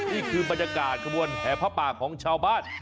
นี่คือบรรยากาศขบวนแห่ผ้าป่าของชาวบ้าน